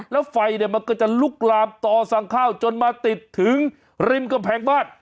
แล้วไฟมันก็จะลุกลามต่อสั่งข้าวจนมาติดถึงริมกำแพงบ้าน